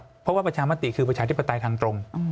เพราะว่าประชามติคือประชาธิปไตยทางตรง